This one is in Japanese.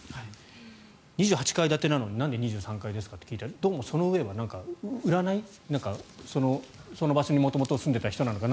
２８階建てなのになんで２３階なんですかと聞いたらどうもその上は売らないその場所に元々住んでいた人なのか